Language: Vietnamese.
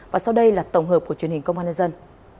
và sau đây là tổng hợp của truyền hình công an nhân dân